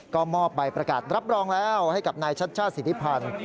ก็มอบใบประกาศรับรองแล้วให้กับนายชัชชาติสิทธิพันธ์